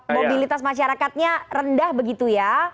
mobilitas masyarakatnya rendah begitu ya